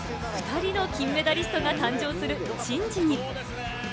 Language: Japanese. ２人の金メダリストが誕生する珍事に。